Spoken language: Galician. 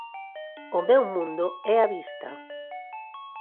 “O meu mundo é a vista”.